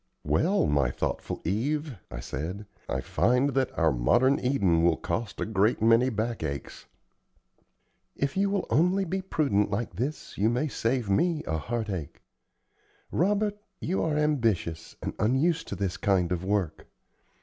"Well, my thoughtful Eve," I said, "I find that our modern Eden will cost a great many back aches." "If you will only be prudent like this, you may save me a heart ache. Robert, you are ambitious, and unused to this kind of work.